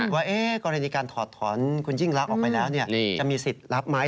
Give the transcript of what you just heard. ว่ากรณีการถอดถอนคุณยิ่งรักออกไปแล้วจะมีสิทธิ์รับไหม